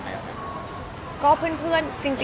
มีการยืดยืดยืดจากไทย